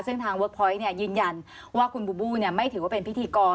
ซึ่งทางเวิร์คพอยต์ยืนยันว่าคุณบูบูไม่ถือว่าเป็นพิธีกร